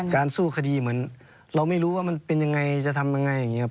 สู้คดีเหมือนเราไม่รู้ว่ามันเป็นยังไงจะทำยังไงอย่างนี้ครับ